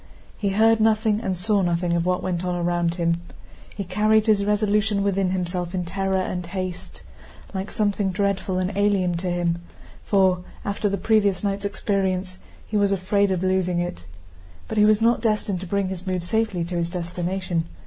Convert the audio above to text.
He heard nothing and saw nothing of what went on around him. He carried his resolution within himself in terror and haste, like something dreadful and alien to him, for, after the previous night's experience, he was afraid of losing it. But he was not destined to bring his mood safely to his destination.